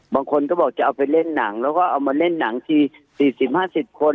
บางคนก็บอกจะเอาไปเล่นหนังแล้วก็เอามาเล่นหนังที๔๐๕๐คน